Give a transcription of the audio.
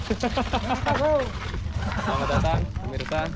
selamat datang pemirsa